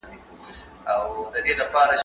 زه اوس سړو ته خواړه ورکوم